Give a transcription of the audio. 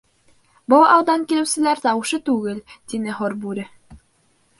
— Был алдан килеүселәр тауышы түгел, — тине һорбүре.